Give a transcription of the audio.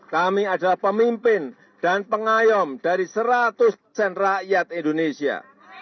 kami adalah pemimpin dan pengayom dari seratus cen rakyat indonesia